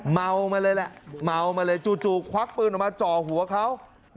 เมามาเลยแหละเมามาเลยจู่ควักปืนออกมาจ่อหัวเขา